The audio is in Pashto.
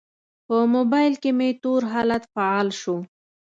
په موبایل کې مې تور حالت فعال شو.